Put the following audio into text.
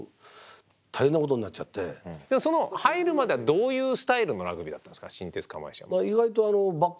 その入るまではどういうスタイルのラグビーだったんですか新日鉄釜石は。